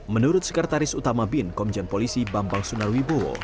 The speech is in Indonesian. menurut sekretaris utama bin komjen polisi bambang sunarwibowo